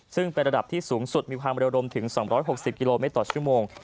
ซึ่งเป็นระดับที่สูงสุดมีความเร็วรวมถึง๒๖๐กิโลเมตรต่อชั่วโมง